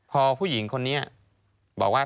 พอผู้หญิงคนนี้บอกว่า